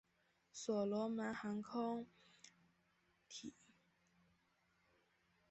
所罗门航空提供从市内的基拉基拉机场前往首都霍尼亚拉和其他目的地的航班。